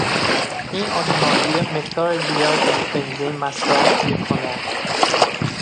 این اتومبیل مقدار زیادی بنزین مصرف میکند.